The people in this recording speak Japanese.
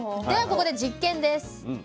ではここで実験です。